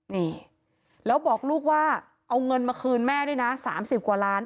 นี่แล้วบอกลูกว่าเอาเงินมาคืนแม่ด้วยนะ๓๐กว่าล้าน